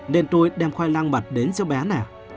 nên tôi đem khoai lang mặt đến cho bé nè